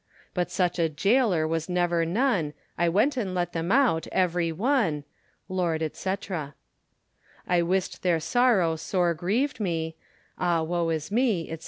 But such a jaylor was never none, I went and let them out everie one. Lord, &c. I wist their sorrow sore grieved me, Ah, woe is me, &c.